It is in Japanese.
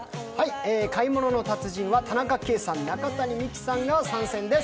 「買い物の達人」は田中圭さん、中谷美紀さんが参戦です。